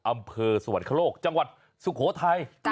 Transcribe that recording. อำเภอสวรรคโลกจังหวัดสุโขทัย